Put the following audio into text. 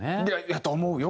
やと思うよ